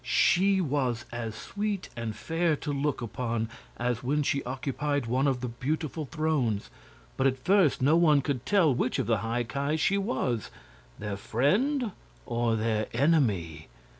She was as sweet and fair to look upon as when she occupied one of the beautiful thrones, but at first no one could tell which of the High Ki she was their friend or their enemy.